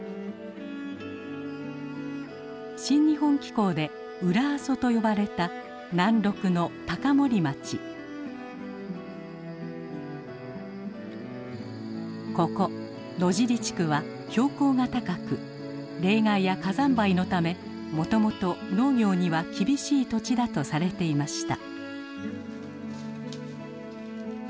「新日本紀行」で裏阿蘇と呼ばれた南麓のここ野尻地区は標高が高く冷害や火山灰のためもともと農業には厳しい土地だとされていました。